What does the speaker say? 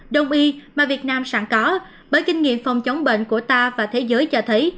đông y mà việt nam sẵn có bởi kinh nghiệm phòng chống bệnh của ta và thế giới cho thấy